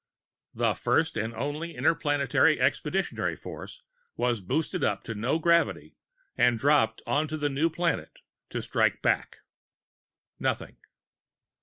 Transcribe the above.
The first, and only, Interplanetary Expeditionary Force was boosted up to no gravity and dropped onto the new planet to strike back: Nothing.